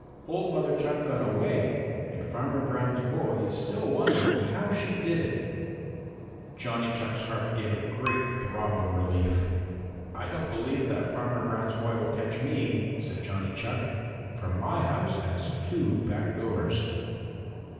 "Old Mother Chuck got away, and Farmer Brown's boy is still wondering how she did it." Johnny's heart gave a great throb of relief. "I don't believe that Farmer Brown's boy will catch me," said Johnny Chuck, "for my house has two back doors."